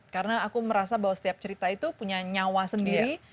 karena aku merasa bahwa setiap cerita itu punya nyawa sendiri